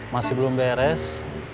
masih belum beres